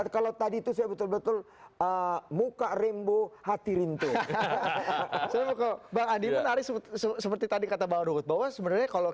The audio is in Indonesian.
kalau tadi itu saya betul betul muka rembo hati rintik seperti tadi kata bahwa sebenarnya kalau